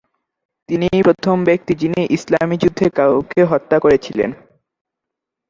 তিনিই প্রথম ব্যক্তি যিনি ইসলামী যুদ্ধে কাউকে হত্যা করেছিলেন।